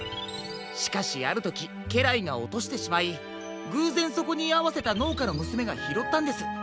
しかしあるときけらいがおとしてしまいぐうぜんそこにいあわせたのうかのむすめがひろったんです。